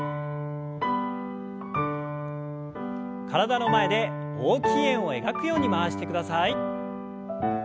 体の前で大きい円を描くように回してください。